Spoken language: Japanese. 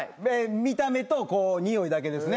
見た目とにおいだけですね。